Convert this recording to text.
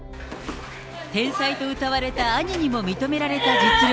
天才とうたわれた兄にも認められた実力。